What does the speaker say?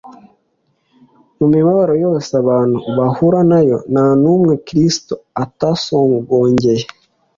Mu mibabaro yose abantu bahura nayo, nta n’umwe Kristo atasogongeye